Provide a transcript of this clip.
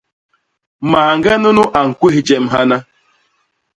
Mañge nunu a ñkwés jem hana.